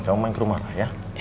kamu main ke rumah rakyat